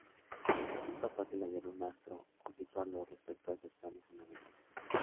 Resulta fácil hallar un astro o situarlo respecto a esos planos fundamentales.